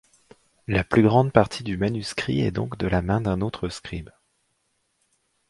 La plus grande partie du manuscrit est donc de la main d'un autre scribe.